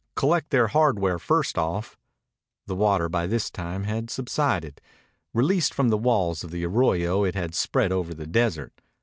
Collect their hardware first off." The water by this time had subsided. Released from the walls of the arroyo, it had spread over the desert.